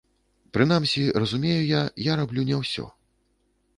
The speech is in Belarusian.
Прынамсі, разумею я, я раблю не ўсё.